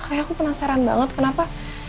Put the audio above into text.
kayak aku penasaran banget kenapa